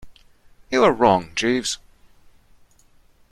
You are wrong, Jeeves.